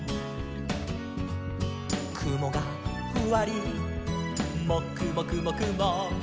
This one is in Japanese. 「くもがふわりもくもくもくも」